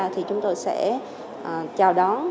thì chúng tôi sẽ chào đón